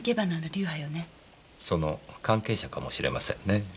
その関係者かもしれませんね。